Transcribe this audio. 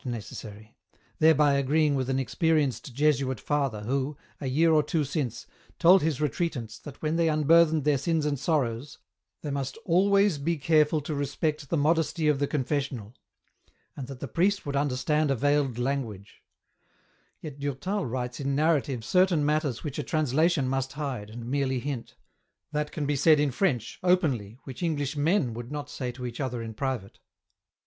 IX necessary," thereby agreeing with an experienced Jesuit Father who, a year or two since, told his Retreatants that when they unburthened their sins and sorrows they must " always be careful to respect the modesty of the Con fessional," and that the Priest would understand a veiled language ; yet Durtal writes in narrative certain matters which a translation must hide, and merely hint ; that can be said in French, openly, which English men would not say to each other in private.